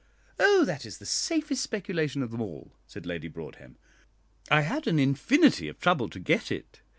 "Oh, that is the safest speculation of them all," said Lady Broadhem. "I had an infinity of trouble to get it.